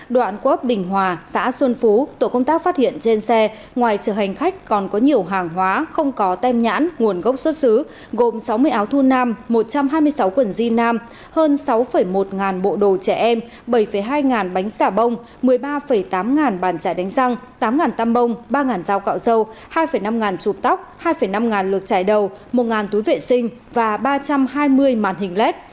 đoạn quốc bình hòa xã xuân phú tổ công tác phát hiện trên xe ngoài trường hành khách còn có nhiều hàng hóa không có tem nhãn nguồn gốc xuất xứ gồm sáu mươi áo thu nam một trăm hai mươi sáu quần di nam hơn sáu một ngàn bộ đồ trẻ em bảy hai ngàn bánh xà bông một mươi ba tám ngàn bàn chải đánh răng tám ngàn tăm bông ba ngàn dao cạo dâu hai năm ngàn chụp tóc hai năm ngàn lược chải đầu một ngàn túi vệ sinh và ba trăm hai mươi màn hình led